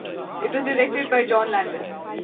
It was directed by John Landis.